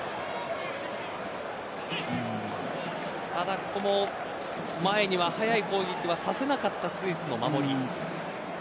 ここも、前に速い攻撃はさせなかったスイスの守り。